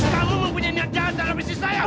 kamu mempunyai niat jahat dalam visi saya pak